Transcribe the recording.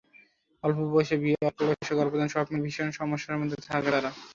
অল্প বয়সে বিয়ে, অল্প বয়সে গর্ভধারণ—সব মিলিয়ে ভীষণ সমস্যার মধ্যে থাকে তারা।